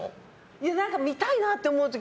いや、見たいなって思う時。